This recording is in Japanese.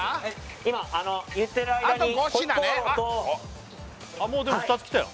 今言ってる間に回鍋肉ともうでも２つ来たよ